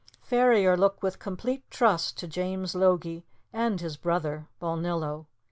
Ferrier looked with complete trust to James Logie and his brother Balnillo.